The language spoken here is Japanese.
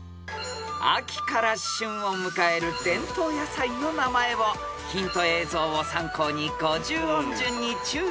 ［秋から旬を迎える伝統野菜の名前をヒント映像を参考に５０音順に注意してお答えください］